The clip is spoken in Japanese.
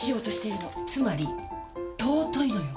つまり尊いのよ！